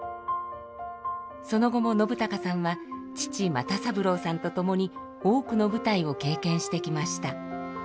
その後も信朗さんは父又三郎さんと共に多くの舞台を経験してきました。